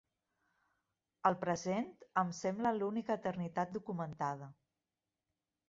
El present em sembla l'única eternitat documentada.